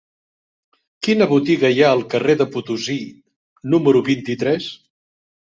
Quina botiga hi ha al carrer de Potosí número vint-i-tres?